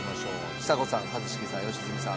ちさ子さん一茂さん良純さん